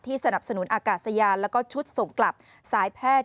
สนับสนุนอากาศยานแล้วก็ชุดส่งกลับสายแพทย์